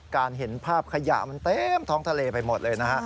เห็นภาพขยะมันเต็มท้องทะเลไปหมดเลยนะฮะ